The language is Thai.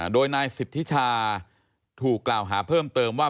โดยนายสิทธิชาถูกกล่าวหาเพิ่มเติมว่า